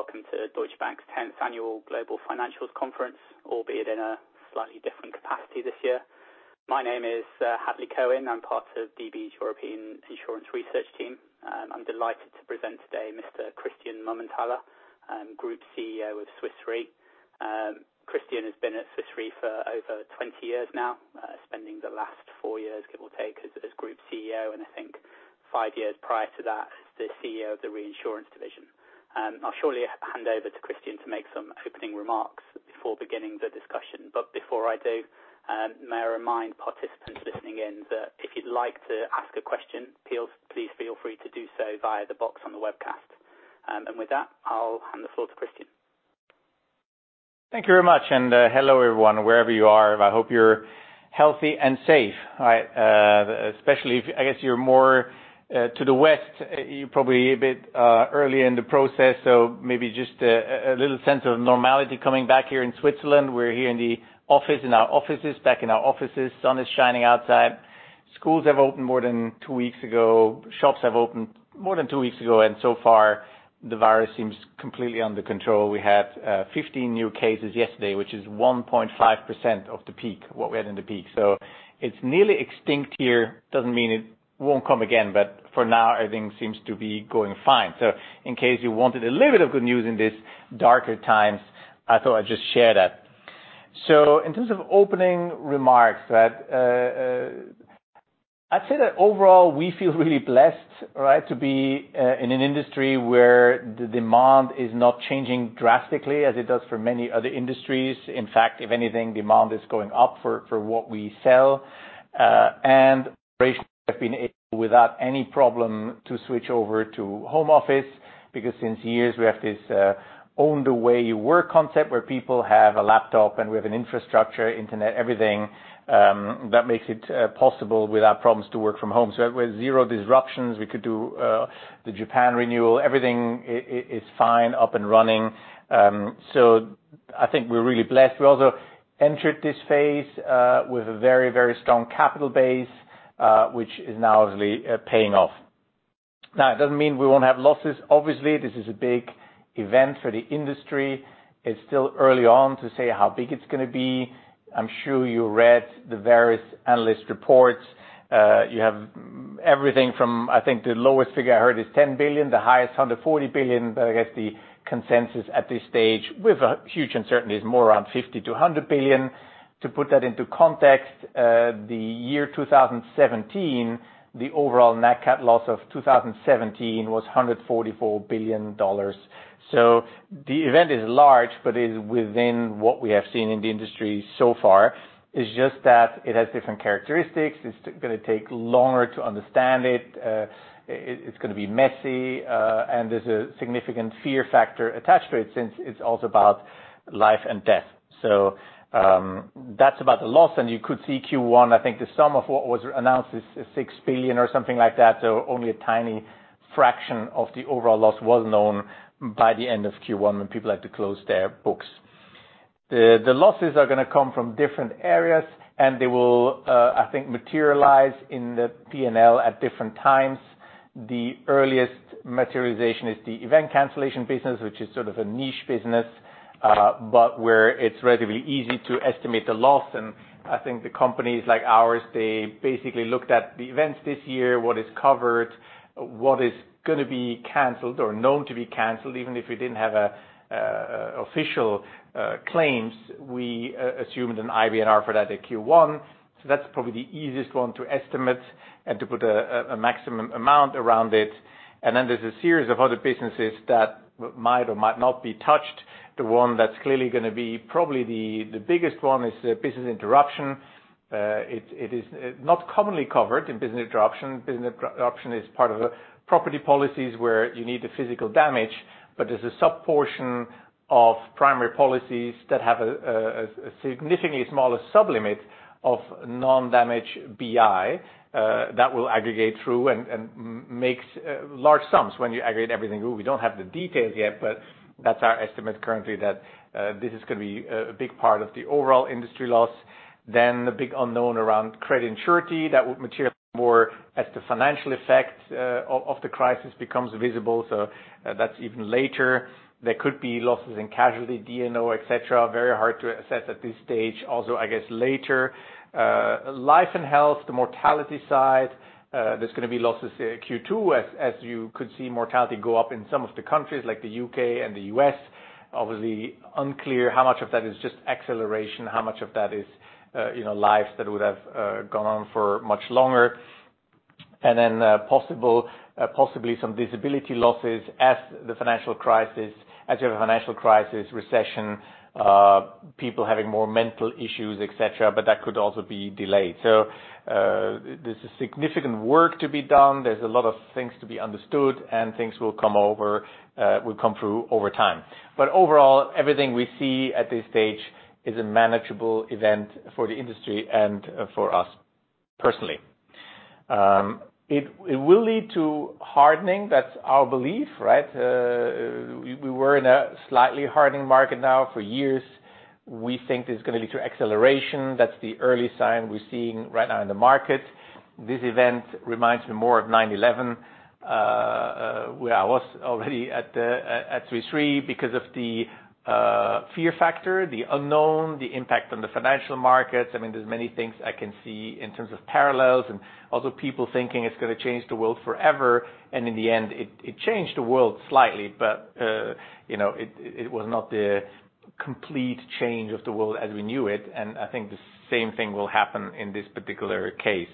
Welcome to Deutsche Bank's 10th Annual Global Financial Services Conference, albeit in a slightly different capacity this year. My name is Hadley Cohen. I'm part of DB's European Insurance Research team. I'm delighted to present today Mr. Christian Mumenthaler, Group CEO of Swiss Re. Christian has been at Swiss Re for over 20 years now, spending the last four years, give or take, as Group CEO, and I think five years prior to that, the CEO of the reinsurance division. I'll shortly hand over to Christian to make some opening remarks before beginning the discussion. Before I do, may I remind participants listening in that if you'd like to ask a question, please feel free to do so via the box on the webcast. With that, I'll hand the floor to Christian. Thank you very much, and hello everyone, wherever you are. I hope you're healthy and safe. Especially if, I guess, you're more to the west, you're probably a bit earlier in the process, so maybe just a little sense of normality coming back here in Switzerland. We're here in our offices, back in our offices. Sun is shining outside. Schools have opened more than two weeks ago. Shops have opened more than two weeks ago, and so far, the virus seems completely under control. We had 15 new cases yesterday, which is 1.5% of the peak, what we had in the peak. It's nearly extinct here. Doesn't mean it won't come again, but for now, everything seems to be going fine. In case you wanted a little bit of good news in these darker times, I thought I'd just share that. In terms of opening remarks, I'd say that overall, we feel really blessed to be in an industry where the demand is not changing drastically as it does for many other industries. In fact, if anything, demand is going up for what we sell. Operations have been able, without any problem, to switch over to home office, because since years, we have this Own The Way You Work concept where people have a laptop and we have an infrastructure, internet, everything, that makes it possible without problems to work from home. With zero disruptions, we could do the Japan renewal. Everything is fine, up and running. I think we're really blessed. We also entered this phase with a very, very strong capital base, which is now obviously paying off. It doesn't mean we won't have losses. Obviously, this is a big event for the industry. It's still early on to say how big it's going to be. I'm sure you read the various analyst reports. You have everything from, I think the lowest figure I heard is $10 billion, the highest $140 billion, I guess the consensus at this stage with a huge uncertainty is more around $50 billion-$100 billion. To put that into context, the year 2017, the overall net cat loss of 2017 was $144 billion. The event is large, but is within what we have seen in the industry so far. It's just that it has different characteristics. It's going to take longer to understand it. It's going to be messy. There's a significant fear factor attached to it since it's also about life and death. That's about the loss. You could see Q1, I think the sum of what was announced is $6 billion or something like that. Only a tiny fraction of the overall loss was known by the end of Q1 when people had to close their books. The losses are going to come from different areas, and they will, I think, materialize in the P&L at different times. The earliest materialization is the event cancellation business, which is sort of a niche business, but where it's relatively easy to estimate the loss. I think the companies like ours, they basically looked at the events this year, what is covered, what is going to be canceled or known to be canceled, even if we didn't have official claims, we assumed an IBNR for that at Q1. That's probably the easiest one to estimate and to put a maximum amount around it. There's a series of other businesses that might or might not be touched. The one that's clearly going to be probably the biggest one is the Business Interruption. It is not commonly covered in Business Interruption. Business Interruption is part of the property policies where you need the physical damage, but there's a sub-portion of primary policies that have a significantly smaller sub-limit of non-damage BI, that will aggregate through and makes large sums when you aggregate everything. We don't have the details yet, but that's our estimate currently that this is going to be a big part of the overall industry loss. The big unknown around credit and surety, that will materialize more as the financial effect of the crisis becomes visible. That's even later. There could be losses in casualty, D&O, et cetera. Very hard to assess at this stage. Also, I guess later. Life and Health, the mortality side, there's going to be losses Q2 as you could see mortality go up in some of the countries like the U.K. and the U.S. Obviously, unclear how much of that is just acceleration, how much of that is lives that would have gone on for much longer. Possibly some disability losses as you have a financial crisis, recession, people having more mental issues, et cetera, but that could also be delayed. There's a significant work to be done. There's a lot of things to be understood and things will come through over time. Overall, everything we see at this stage is a manageable event for the industry and for us personally. It will lead to hardening. That's our belief. We were in a slightly hardening market now for years. We think it's going to lead to acceleration. That's the early sign we're seeing right now in the market. This event reminds me more of 9/11, where I was already at Swiss Re, because of the fear factor, the unknown, the impact on the financial markets. There's many things I can see in terms of parallels and also people thinking it's going to change the world forever. In the end, it changed the world slightly. It was not the complete change of the world as we knew it. I think the same thing will happen in this particular case.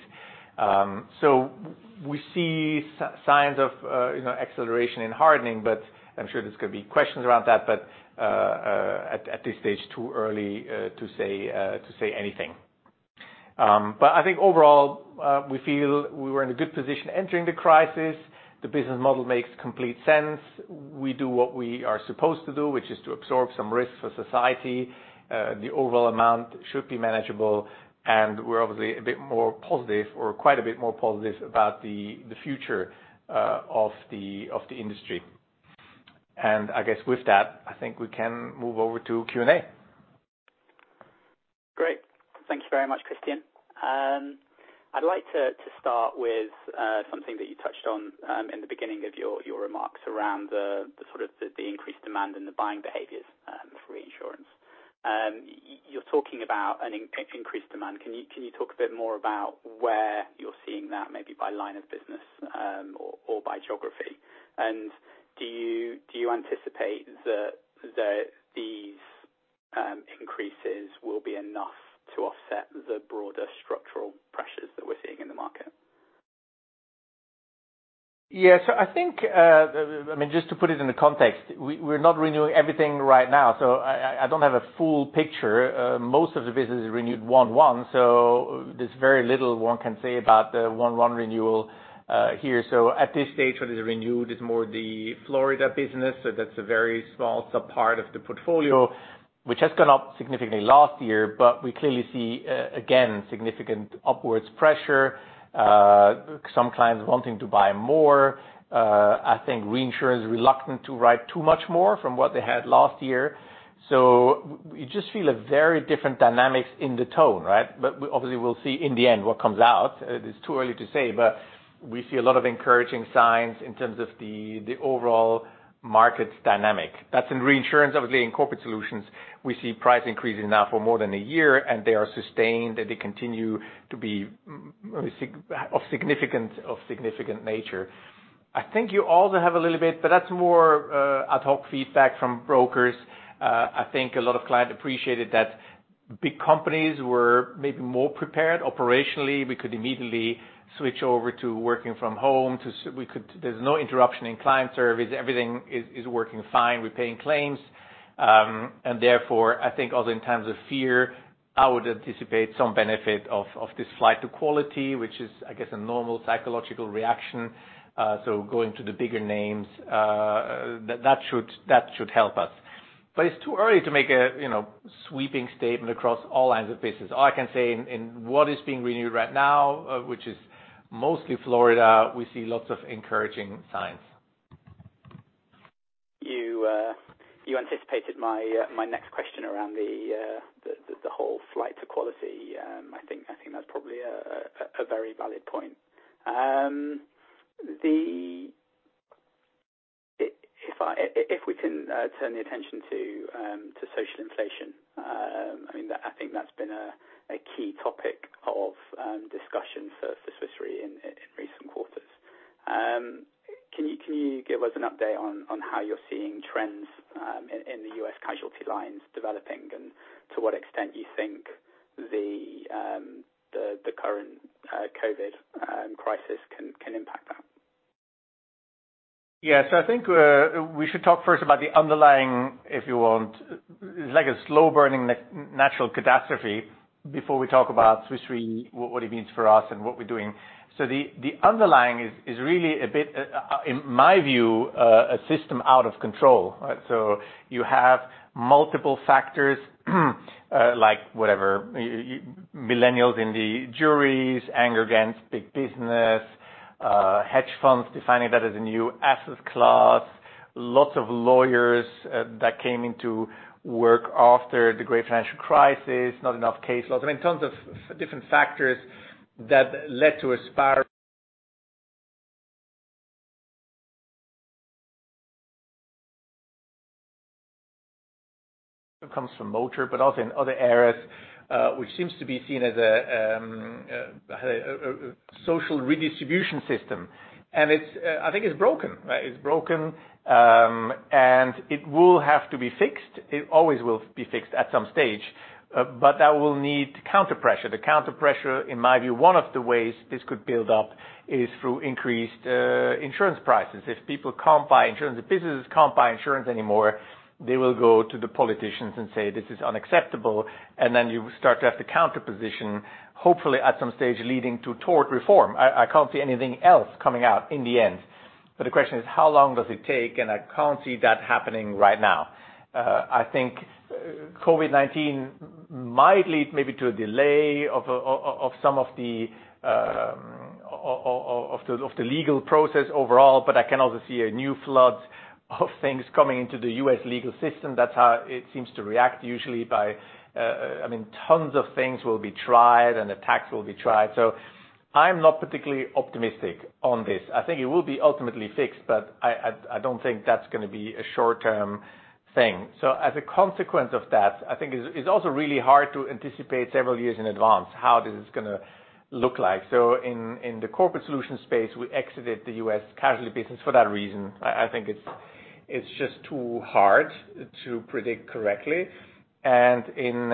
We see signs of acceleration in hardening, but I'm sure there's going to be questions around that, but at this stage, too early to say anything. I think overall, we feel we were in a good position entering the crisis. The business model makes complete sense. We do what we are supposed to do, which is to absorb some risk for society. The overall amount should be manageable, we're obviously a bit more positive or quite a bit more positive about the future of the industry. I guess with that, I think we can move over to Q&A. Great. Thank you very much, Christian. I'd like to start with something that you touched on in the beginning of your remarks around the increased demand and the buying behaviors for reinsurance. You're talking about an increased demand. Can you talk a bit more about where you're seeing that, maybe by line of business or by geography? Do you anticipate that these increases will be enough to offset the broader structural pressures that we're seeing in the market? I think, just to put it in the context, we're not renewing everything right now, so I don't have a full picture. Most of the business is renewed 1/1, so there's very little one can say about the 1/1 renewal here. At this stage, what is renewed is more the Florida business. That's a very small sub-part of the portfolio, which has gone up significantly last year, but we clearly see, again, significant upwards pressure, with some clients wanting to buy more. I think reinsurance is reluctant to write too much more from what they had last year. You just feel a very different dynamic in the tone, right? Obviously we'll see in the end what comes out. It's too early to say, but we see a lot of encouraging signs in terms of the overall market dynamic. That's in reinsurance. Obviously, in Corporate Solutions, we see price increases now for more than a year, and they are sustained, and they continue to be of significant nature. I think you also have a little bit, but that's more ad hoc feedback from brokers. I think a lot of client appreciated that big companies were maybe more prepared operationally. We could immediately switch over to working from home, there's no interruption in client service. Everything is working fine. We're paying claims. Therefore, I think also in terms of fear, I would anticipate some benefit of this flight to quality, which is, I guess, a normal psychological reaction. Going to the bigger names, that should help us. It's too early to make a sweeping statement across all lines of business. All I can say in what is being renewed right now, which is mostly Florida, we see lots of encouraging signs. You anticipated my next question around the whole flight to quality. I think that's probably a very valid point. We can turn the attention to social inflation. I think that's been a key topic of discussion for Swiss Re in recent quarters. Can you give us an update on how you're seeing trends in the U.S. casualty lines developing, and to what extent you think the current COVID crisis can impact that? Yeah. I think we should talk first about the underlying, if you want, like a slow-burning natural catastrophe before we talk about Swiss Re, what it means for us and what we're doing. The underlying is really a bit, in my view, a system out of control, right? You have multiple factors like whatever, millennials in the juries, anger against big business, hedge funds defining that as a new asset class, lots of lawyers that came into work after the great financial crisis, not enough caseloads. In terms of different factors that led to a spiral comes from motor, but also in other areas, which seems to be seen as a social redistribution system. I think it's broken. It's broken, and it will have to be fixed. It always will be fixed at some stage, but that will need counterpressure. The counterpressure, in my view, one of the ways this could build up is through increased insurance prices. If people can't buy insurance, if businesses can't buy insurance anymore, they will go to the politicians and say, "This is unacceptable." You start to have the counterposition, hopefully at some stage leading toward reform. I can't see anything else coming out in the end. The question is, how long does it take? I can't see that happening right now. I think COVID-19 might lead maybe to a delay of some of the legal process overall, but I can also see a new flood of things coming into the U.S. legal system. That's how it seems to react usually. Tons of things will be tried, and attacks will be tried. I'm not particularly optimistic on this. I think it will be ultimately fixed, but I don't think that's going to be a short-term thing. As a consequence of that, I think it's also really hard to anticipate several years in advance how this is going to look like. In the Corporate Solutions space, we exited the U.S. casualty business for that reason. I think it's just too hard to predict correctly. In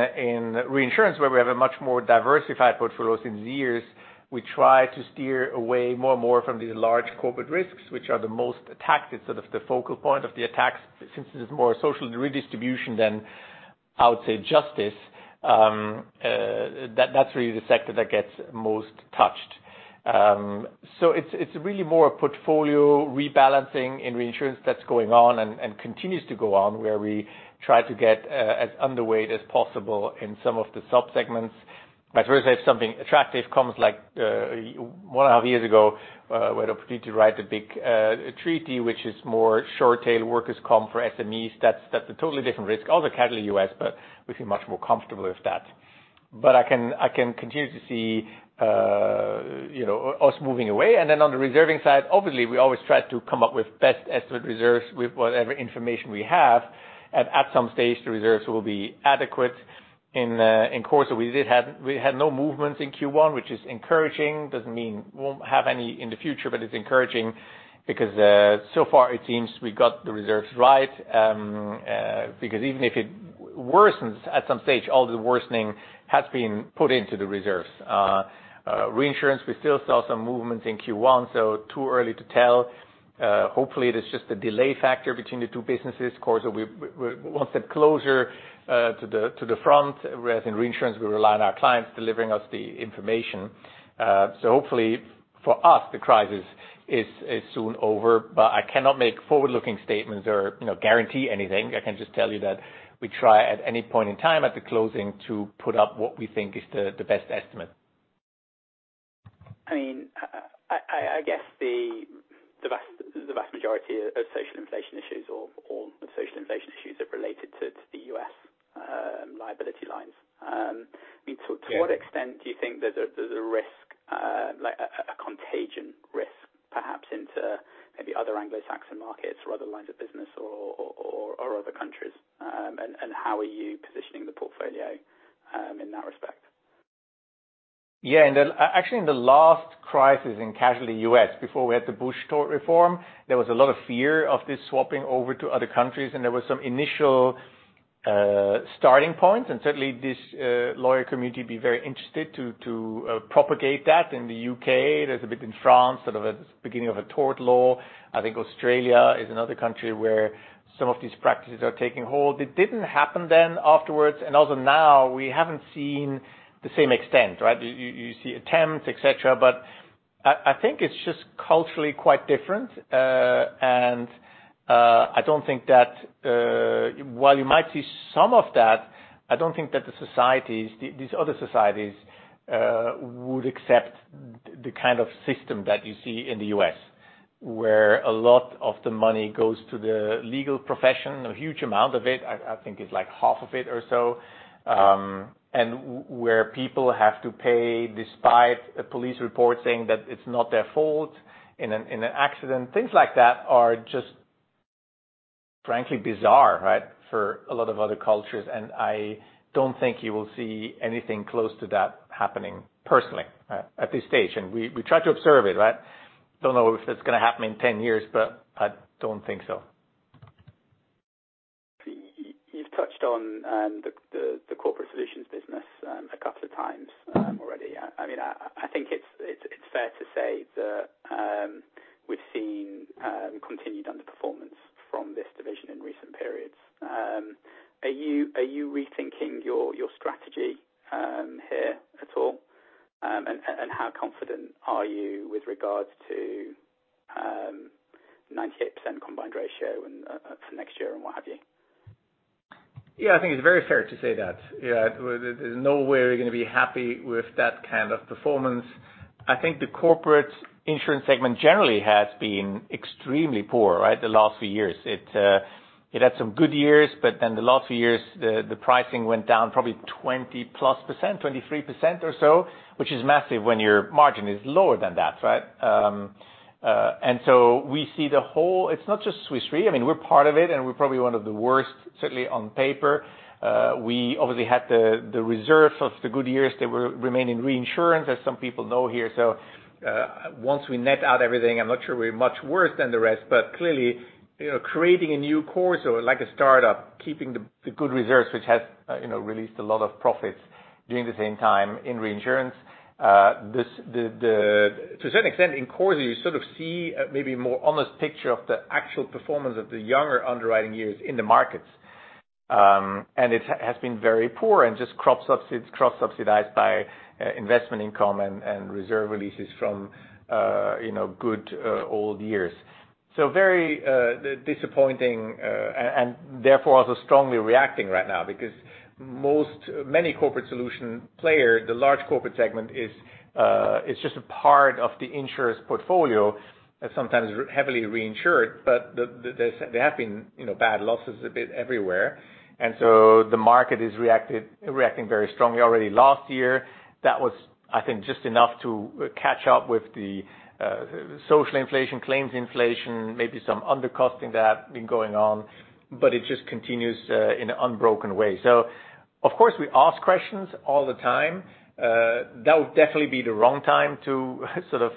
reinsurance, where we have a much more diversified portfolios in the years, we try to steer away more and more from the large corporate risks, which are the most attacked. It's sort of the focal point of the attacks. Since it is more social redistribution than, I would say, justice, that's really the sector that gets most touched. It's really more a portfolio rebalancing in reinsurance that's going on and continues to go on, where we try to get as underweight as possible in some of the sub-segments. Whereas if something attractive comes, like one and a half years ago, we had an opportunity to write a big treaty, which is more short tail workers' comp for SMEs. That's a totally different risk. Also casualty U.S., but we feel much more comfortable with that. I can continue to see us moving away. On the reserving side, obviously, we always try to come up with best estimate reserves with whatever information we have. At some stage, the reserves will be adequate. In CorSo, we had no movements in Q1, which is encouraging. Doesn't mean we won't have any in the future, but it's encouraging because so far it seems we got the reserves right. Even if it worsens at some stage, all the worsening has been put into the reserves. Reinsurance, we still saw some movement in Q1, too early to tell. Hopefully, it is just a delay factor between the two businesses. CorSo, we're one step closer to the front. Whereas in Reinsurance, we rely on our clients delivering us the information. Hopefully for us, the crisis is soon over, I cannot make forward-looking statements or guarantee anything. I can just tell you that we try at any point in time at the closing to put up what we think is the best estimate. I guess the vast majority of social inflation issues or all the social inflation issues are related to the U.S. liability lines. To what extent do you think there's a risk, like a contagion risk, perhaps into maybe other Anglo-Saxon markets or other lines of business or other countries? How are you positioning the portfolio in that respect? Yeah. Actually, in the last crisis in casualty U.S., before we had the Bush tort reform, there was a lot of fear of this swapping over to other countries, and there were some initial starting points, and certainly this lawyer community be very interested to propagate that in the U.K. There's a bit in France, sort of a beginning of a tort law. I think Australia is another country where some of these practices are taking hold. It didn't happen then afterwards. Also now we haven't seen the same extent, right? You see attempts, et cetera, but I think it's just culturally quite different. I don't think that while you might see some of that, I don't think that these other societies would accept the kind of system that you see in the U.S., where a lot of the money goes to the legal profession. A huge amount of it, I think it's like half of it or so. Where people have to pay despite a police report saying that it's not their fault in an accident. Things like that are just, frankly, bizarre, right? For a lot of other cultures, I don't think you will see anything close to that happening personally at this stage. We try to observe it, right? Don't know if it's going to happen in 10 years, but I don't think so. You've touched on the Corporate Solutions business a couple of times already. I think it's fair to say that we've seen continued underperformance from this division in recent periods. Are you rethinking your strategy here at all? How confident are you with regards to 98% combined ratio for next year and what have you? I think it's very fair to say that. There's no way we're going to be happy with that kind of performance. I think the corporate insurance segment generally has been extremely poor, right, the last few years. It had some good years, the last few years, the pricing went down probably 20+%, 23% or so, which is massive when your margin is lower than that, right? We see it's not just Swiss Re. We're part of it and we're probably one of the worst, certainly on paper. We obviously had the reserve of the good years that were remaining reinsurance, as some people know here. Once we net out everything, I'm not sure we're much worse than the rest. Clearly, creating a new CorSo like a startup, keeping the good reserves, which has released a lot of profits during the same time in reinsurance. To a certain extent, in CorSo, you sort of see maybe a more honest picture of the actual performance of the younger underwriting years in the markets. It has been very poor and just cross-subsidized by investment income and reserve releases from good old years. Very disappointing, and therefore also strongly reacting right now. Because many Corporate Solutions player, the large corporate segment is just a part of the insurer's portfolio, sometimes heavily reinsured. There have been bad losses a bit everywhere. The market is reacting very strongly already. Last year, that was, I think, just enough to catch up with the social inflation, claims inflation, maybe some undercosting that had been going on. It just continues in an unbroken way. Of course, we ask questions all the time. That would definitely be the wrong time to sort of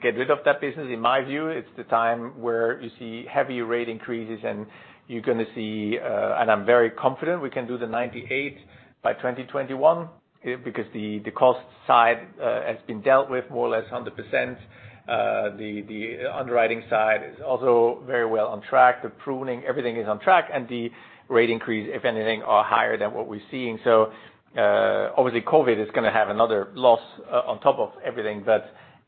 get rid of that business. In my view, it's the time where you see heavy rate increases and you're going to see. I'm very confident we can do the 98 by 2021. The cost side has been dealt with more or less 100%. The underwriting side is also very well on track. The pruning, everything is on track. The rate increase, if anything, are higher than what we're seeing. Obviously COVID is going to have another loss on top of everything.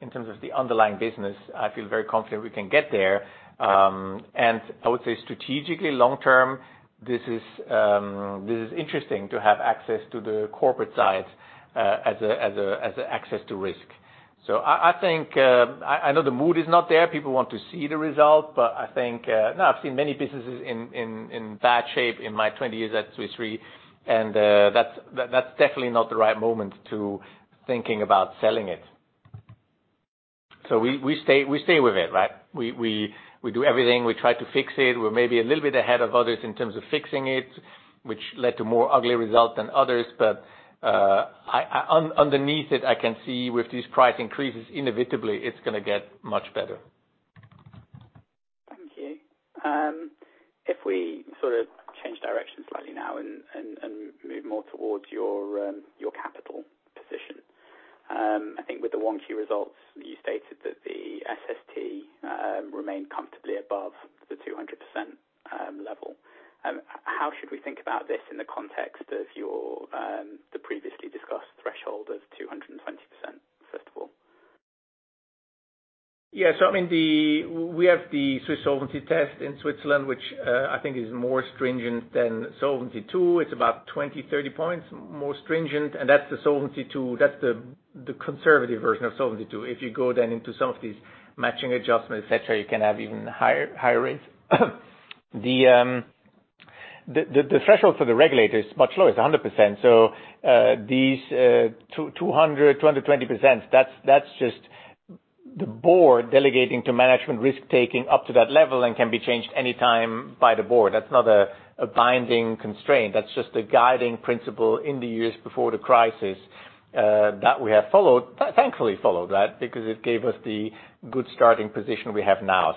In terms of the underlying business, I feel very confident we can get there. I would say strategically long-term, this is interesting to have access to the corporate side as a access to risk. I know the mood is not there. People want to see the result. I think, no, I've seen many businesses in bad shape in my 20 years at Swiss Re, and that's definitely not the right moment to thinking about selling it. We stay with it, right? We do everything. We try to fix it. We're maybe a little bit ahead of others in terms of fixing it, which led to more ugly results than others. Underneath it, I can see with these price increases, inevitably it's going to get much better. Thank you. We sort of change direction slightly now and move more toward your capital position. I think with the 1Q results, you stated that the SST remained comfortably above the 200% level. How should we think about this in the context of the previously discussed threshold of 220%, first of all? Yeah. We have the Swiss Solvency Test in Switzerland, which I think is more stringent than Solvency II. It's about 20, 30 points more stringent, and that's the conservative version of Solvency II. If you go then into some of these matching adjustments, et cetera, you can have even higher rates. The threshold for the regulator is much lower. It's 100%. These 200%, 220%, that's just the board delegating to management risk taking up to that level and can be changed anytime by the board. That's not a binding constraint. That's just a guiding principle in the years before the crisis that we have thankfully followed that, because it gave us the good starting position we have now.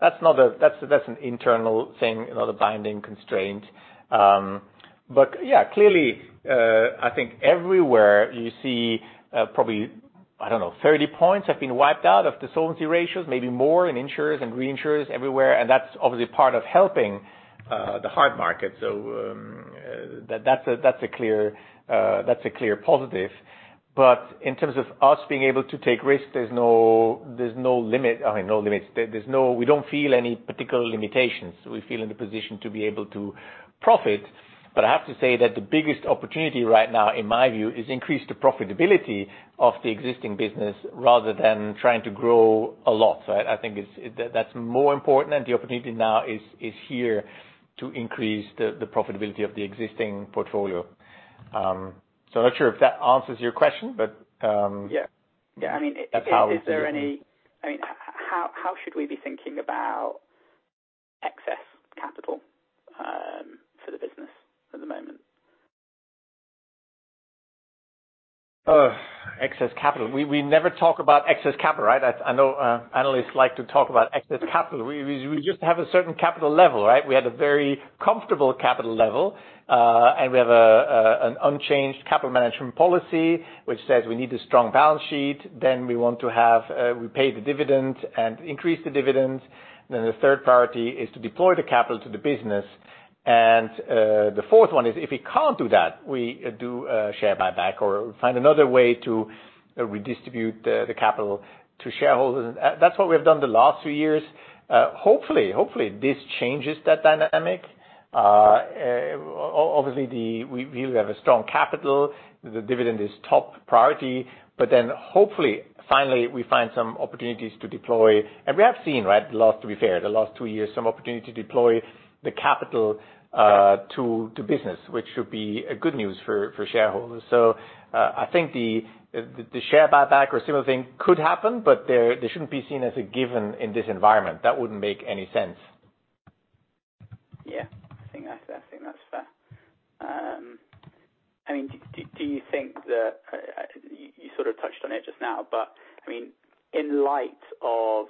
That's an internal thing, not a binding constraint. Clearly, I think everywhere you see, probably, I don't know, 30 points have been wiped out of the solvency ratios, maybe more in insurers and reinsurers everywhere. That's obviously part of helping the hard market. That's a clear positive. In terms of us being able to take risks, there's no limit. I mean, no limits. We don't feel any particular limitations. We feel in the position to be able to profit. I have to say that the biggest opportunity right now, in my view, is increase the profitability of the existing business rather than trying to grow a lot. I think that's more important, and the opportunity now is here to increase the profitability of the existing portfolio. I'm not sure if that answers your question. Yeah That's how we're doing. How should we be thinking about excess capital for the business at the moment? Oh, excess capital. We never talk about excess capital, right? I know analysts like to talk about excess capital. We just have a certain capital level, right? We had a very comfortable capital level. We have an unchanged capital management policy, which says we need a strong balance sheet, we pay the dividend and increase the dividends. The third priority is to deploy the capital to the business. The fourth one is if we can't do that, we do a share buyback or find another way to redistribute the capital to shareholders. That's what we have done the last few years. Hopefully, this changes that dynamic. Obviously, we have a strong capital. The dividend is top priority, but then hopefully, finally, we find some opportunities to deploy. We have seen, right, the last, to be fair, the last two years, some opportunity to deploy the capital to business, which should be a good news for shareholders. I think the share buyback or similar thing could happen, but they shouldn't be seen as a given in this environment. That wouldn't make any sense. Yeah. I think that's fair. Do you think that, you sort of touched on it just now, but in light of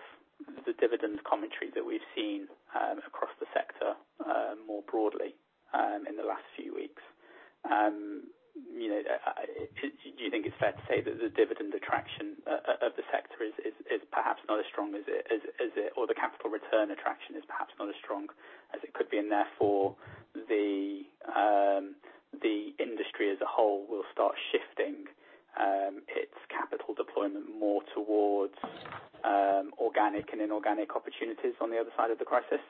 the dividends commentary that we've seen across the sector more broadly in the last few weeks, do you think it's fair to say that the dividend attraction of the sector is perhaps not as strong as it or the capital return attraction is perhaps not as strong as it could be, and therefore the industry as a whole will start shifting its capital deployment more towards organic and inorganic opportunities on the other side of the crisis?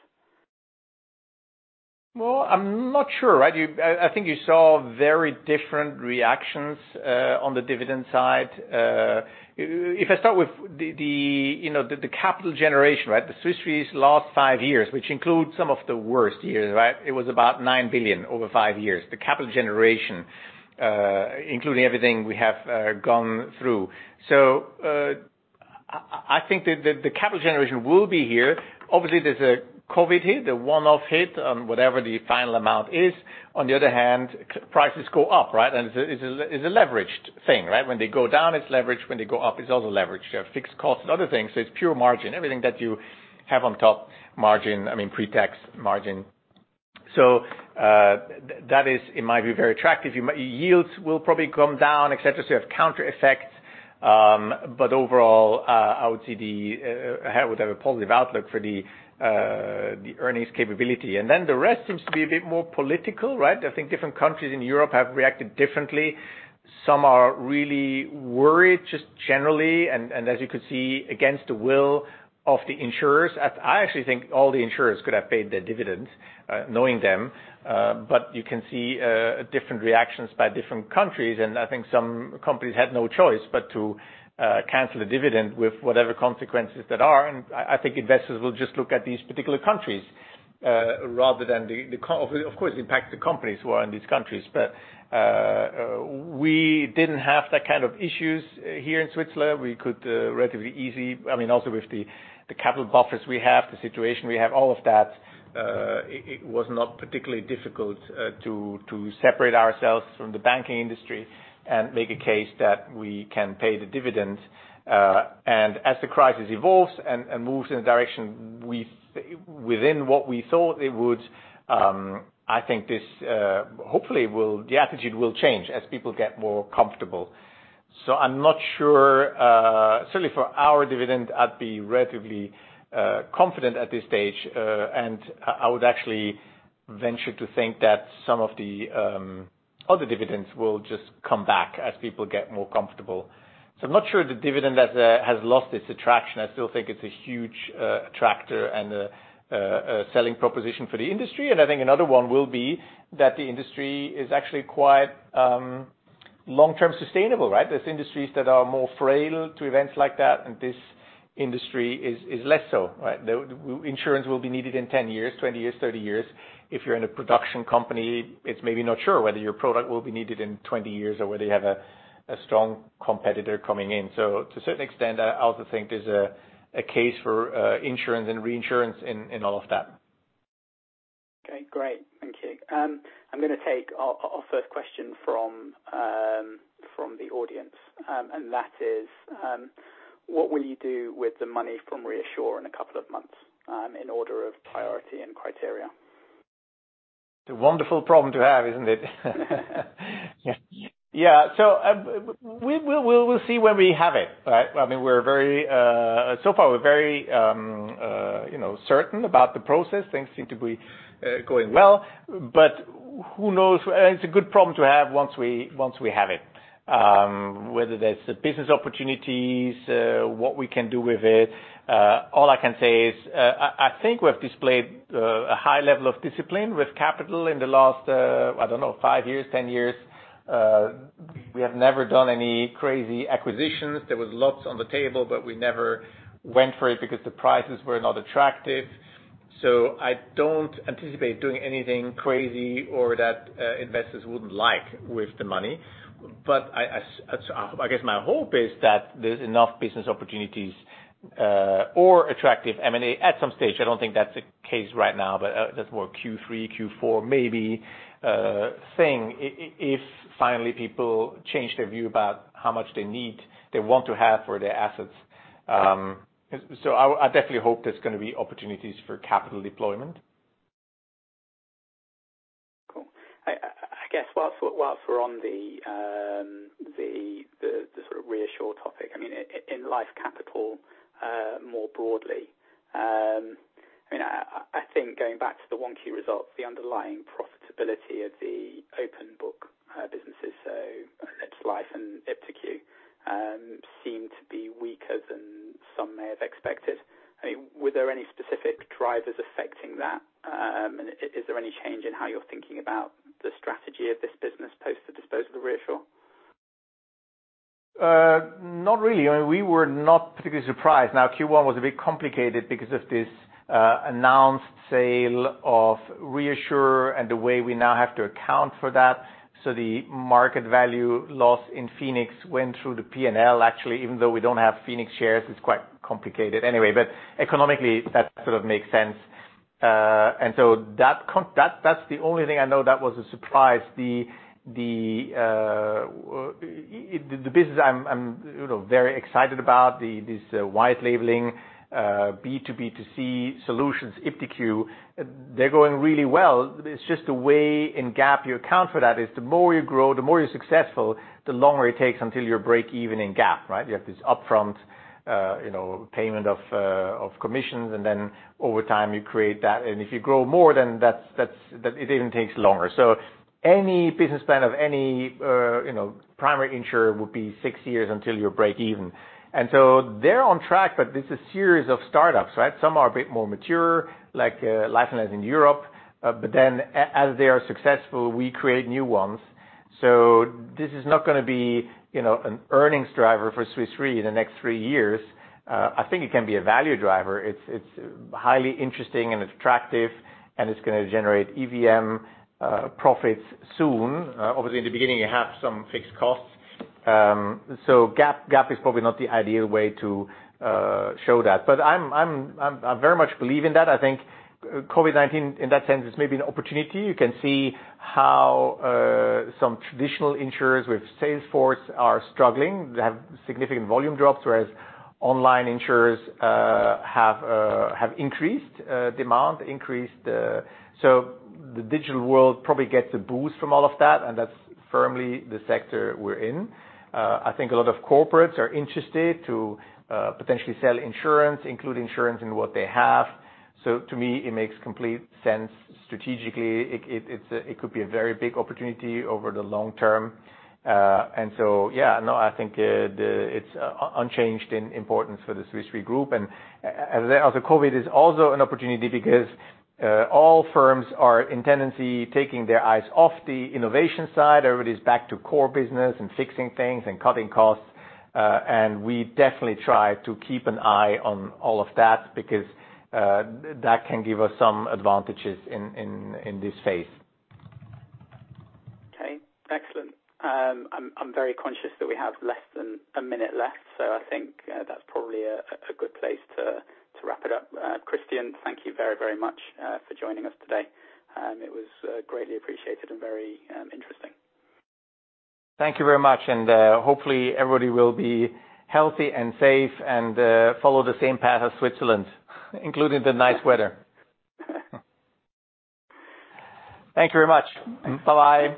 I'm not sure. I think you saw very different reactions on the dividend side. If I start with the capital generation, right? The Swiss Re's last five years, which includes some of the worst years, right? It was about $9 billion over five years, the capital generation, including everything we have gone through. I think that the capital generation will be here. Obviously, there's a COVID-19 hit, the one-off hit on whatever the final amount is. On the other hand, prices go up, right? It's a leveraged thing, right? When they go down, it's leveraged. When they go up, it's also leveraged. You have fixed costs and other things, it's pure margin. Everything that you have on top margin, I mean, pre-tax margin. That is, it might be very attractive. Yields will probably come down, et cetera. You have counter effects. Overall, I would have a positive outlook for the earnings capability. The rest seems to be a bit more political, right? I think different countries in Europe have reacted differently. Some are really worried just generally, and as you could see, against the will of the insurers. I actually think all the insurers could have paid their dividends, knowing them. You can see different reactions by different countries, and I think some companies had no choice but to cancel a dividend with whatever consequences that are. I think investors will just look at these particular countries, of course, impact the companies who are in these countries. We didn't have that kind of issues here in Switzerland. We could relatively easy. Also with the capital buffers we have, the situation we have, all of that, it was not particularly difficult to separate ourselves from the banking industry and make a case that we can pay the dividend. As the crisis evolves and moves in a direction within what we thought it would, I think hopefully, the attitude will change as people get more comfortable. I'm not sure. Certainly, for our dividend, I'd be relatively confident at this stage. I would actually venture to think that some of the other dividends will just come back as people get more comfortable. I'm not sure the dividend has lost its attraction. I still think it's a huge attractor and a selling proposition for the industry. I think another one will be that the industry is actually quite long-term sustainable, right? There's industries that are more frail to events like that, and this industry is less so, right? Insurance will be needed in 10 years, 20 years, 30 years. If you're in a production company, it's maybe not sure whether your product will be needed in 20 years or whether you have a strong competitor coming in. To a certain extent, I also think there's a case for insurance and reinsurance in all of that. Okay, great. Thank you. I'm going to take our first question from the audience, and that is: what will you do with the money from ReAssure in a couple of months, in order of priority and criteria? It's a wonderful problem to have, isn't it? Yeah. We'll see when we have it, right? So far, we're very certain about the process. Things seem to be going well. Who knows? It's a good problem to have once we have it. Whether there's business opportunities, what we can do with it. All I can say is, I think we have displayed a high level of discipline with capital in the last, I don't know, five years, 10 years. We have never done any crazy acquisitions. There was lots on the table, but we never went for it because the prices were not attractive. I don't anticipate doing anything crazy or that investors wouldn't like with the money. I guess my hope is that there's enough business opportunities or attractive M&A at some stage. I don't think that's the case right now, but that's more Q3, Q4, maybe, thing, if finally people change their view about how much they need, they want to have for their assets. I definitely hope there's going to be opportunities for capital deployment. Cool. I guess whilst we're on the sort of ReAssure topic, in Life Capital, more broadly. I think going back to the 1Q results, the underlying profitability of the open book businesses, so eliLife and iptiQ, seem to be weaker than some may have expected. Were there any specific drivers affecting that? Is there any change in how you're thinking about the strategy of this business post the disposal of ReAssure? Not really. We were not particularly surprised. Q1 was a bit complicated because of this announced sale of ReAssure and the way we now have to account for that. The market value loss in Phoenix went through the P&L, actually, even though we don't have Phoenix shares, it's quite complicated. Economically, that sort of makes sense. That's the only thing I know that was a surprise. The business I'm very excited about, this white labeling, B2B2C solutions, iptiQ, they're going really well. The way in GAAP you account for that is the more you grow, the more you're successful, the longer it takes until you're break even in GAAP, right? You have this upfront payment of commissions, and then over time, you create that. If you grow more, then it even takes longer. Any business plan of any primary insurer would be six years until you're break even. They're on track, but it's a series of startups, right? Some are a bit more mature, like Life and Health in Europe. As they are successful, we create new ones. This is not going to be an earnings driver for Swiss Re in the next three years. I think it can be a value driver. It's highly interesting and attractive, and it's going to generate EVM profits soon. Obviously, in the beginning, you have some fixed costs. GAAP is probably not the ideal way to show that. I very much believe in that. I think COVID-19, in that sense, is maybe an opportunity. You can see how some traditional insurers with sales force are struggling. They have significant volume drops, whereas online insurers have increased demand. The digital world probably gets a boost from all of that, and that's firmly the sector we're in. I think a lot of corporates are interested to potentially sell insurance, include insurance in what they have. To me, it makes complete sense strategically. It could be a very big opportunity over the long term. I think it's unchanged in importance for the Swiss Re group. Also COVID is also an opportunity because all firms are in tendency, taking their eyes off the innovation side. Everybody's back to core business and fixing things and cutting costs. We definitely try to keep an eye on all of that because that can give us some advantages in this phase. Okay. Excellent. I'm very conscious that we have less than a minute left. I think that's probably a good place to wrap it up. Christian, thank you very very much for joining us today. It was greatly appreciated and very interesting. Thank you very much, and hopefully everybody will be healthy and safe and follow the same path as Switzerland, including the nice weather. Thank you very much. Bye